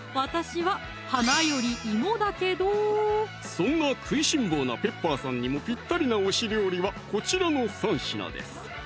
そんな食いしん坊なペッパーさんにもぴったりな推し料理はこちらの３品です